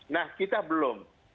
nah kita belum